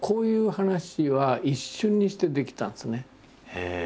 へえ！